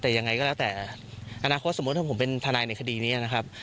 แต่ยังไงก็แล้วแต่อนาคตสมมุติถ้าผมเป็นทนายในคดีนี้นะครับ